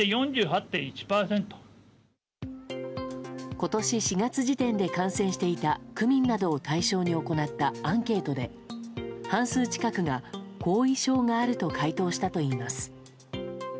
今年４月時点で感染していた区民などを対象に行ったアンケートで半数近くが、後遺症があると回答したといいます。